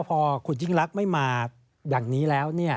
พอคุณจิ๊งรักษ์ไม่มาอย่างนี้แล้วเนี่ย